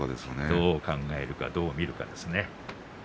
どう考えるか、どう見るかです。